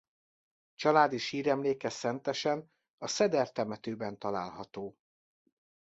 Családi síremléke Szentesen a Szeder temetőben található.